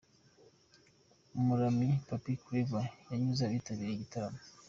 Umuramyi Pappy Clever yanyuze abitabiriye igitaramo.